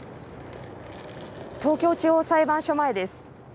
東京地方裁判所前です。